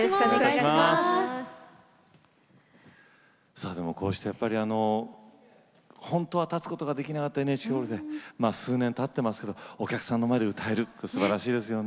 さあでもこうしてやっぱり本当は立つことができなかったＮＨＫホールで数年たってますけどお客さんの前で歌えるってすばらしいですよね。